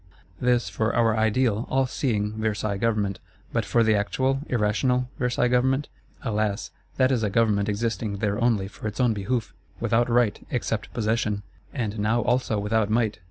This for our ideal, all seeing Versailles Government. But for the actual irrational Versailles Government? Alas, that is a Government existing there only for its own behoof: without right, except possession; and now also without might.